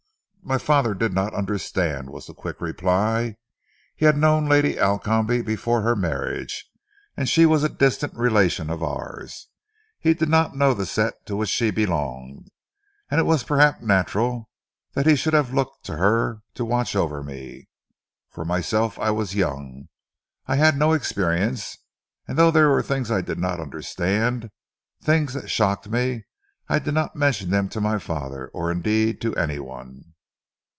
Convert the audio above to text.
"My father did not understand," was the quick reply. "He had known Lady Alcombe before her marriage, and she was a distant relation of ours. He did not know the set to which she belonged, and it was perhaps natural that he should have looked to her to watch over me.... For myself, I was young, I had no experience, and though there were things that I did not understand, things that shocked me, I did not mention them to my father, or indeed to any one."